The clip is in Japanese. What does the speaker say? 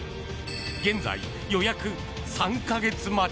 現在、予約３か月待ち！